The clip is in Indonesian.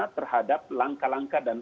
terhadap langkah langkah dan